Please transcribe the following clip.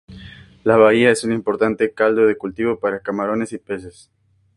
La bahía es un importante caldo de cultivo para camarones y peces.